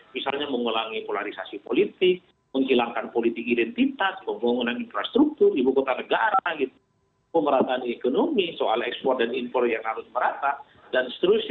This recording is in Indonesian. misalnya mengulangi polarisasi politik menghilangkan politik identitas pembangunan infrastruktur ibu kota negara pemerataan ekonomi soal ekspor dan impor yang harus merata dan seterusnya